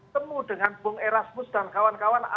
temu dengan bung erasmus dan kawan kawan